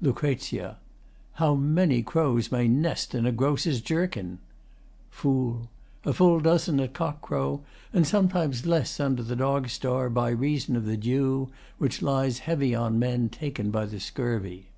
LUC. How many crows may nest in a grocer's jerkin? FOOL A full dozen at cock crow, and something less under the dog star, by reason of the dew, which lies heavy on men taken by the scurvy.